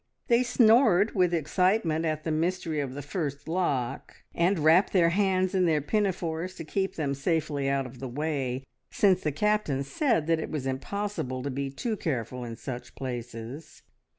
They snored with excitement at the mystery of the first lock, and wrapped their hands in their pinafores to keep them safely out of the way, since the Captain said that it was impossible to be too careful in such places.